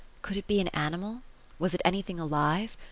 Could it be an animal 1 Was it anything alive?